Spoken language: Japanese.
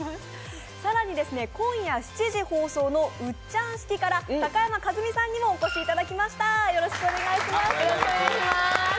更に今夜７時から放送の「ウッチャン式」から高山一実さんにもお越しいただきました。